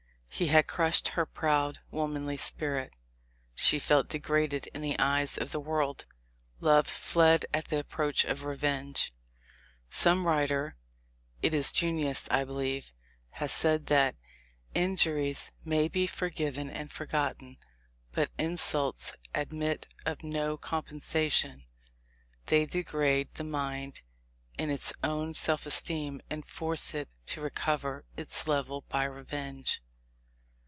He had crushed her proud, womanly spirit. She felt de graded in the eyes of the world. Love fled at the approach of revenge. Some writer — it is Junius, I believe — has said that, "Injuries may be forgiven and forgotten, but insults admit of no compensation: they degrade the mind in its own self esteem and force it to recover its level by revenge."